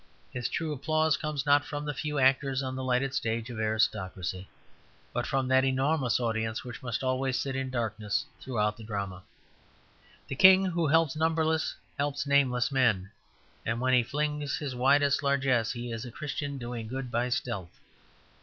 His true applause comes not from the few actors on the lighted stage of aristocracy, but from that enormous audience which must always sit in darkness throughout the drama. The king who helps numberless helps nameless men, and when he flings his widest largesse he is a Christian doing good by stealth.